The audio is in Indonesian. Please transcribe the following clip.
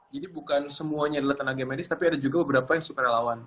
jadi bukan semuanya adalah tenaga medis tapi ada juga beberapa yang sukarelawan